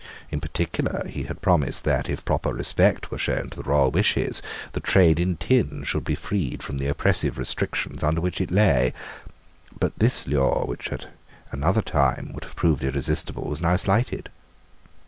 In particular he had promised that, if proper respect were shown to the royal wishes, the trade in tin should be freed from the oppressive restrictions under which it lay. But this lure, which at another time would have proved irresistible, was now slighted.